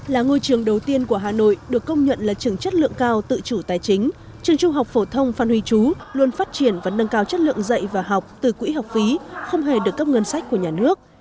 là ngôi trường đầu tiên của hà nội được công nhận là trường chất lượng cao tự chủ tài chính trường trung học phổ thông phan huy chú luôn phát triển và nâng cao chất lượng dạy và học từ quỹ học phí không hề được cấp ngân sách của nhà nước